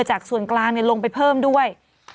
จากส่วนกลางลงไปเพิ่มด้วย